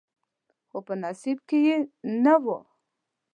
خو په نصیب کې یې نه و.